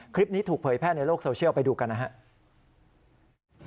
คลิปนี้ถูกเผยแพร่ในโลกโซเชียลไปดูกันนะครับ